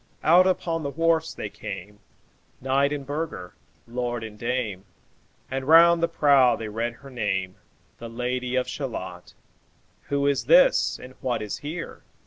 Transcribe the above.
Out upon the wharfs they came, Knight and burgher, lord and dame, And round the prow they read her name, 'The Lady of Shalott' "Who is this? and what is here?